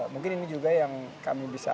mungkin ini juga yang kami bisa